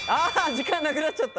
時間がなくなっちゃった！